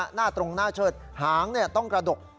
หน้าตรงหน้าเชิดหางต้องกระดก